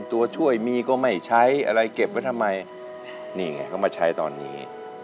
อาไตอะไรเก็บไว้ทำไมนี่ไงก็มาใช้ตอนนี้